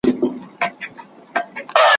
په ښاخلو کي یې جوړ کړي وه کورونه `